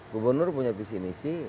gubernur punya visi misi